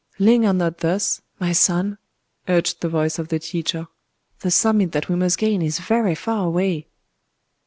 "Linger not thus, my son!" urged the voice of the teacher;—"the summit that we must gain is very far away!"